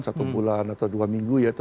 satu bulan atau dua minggu ya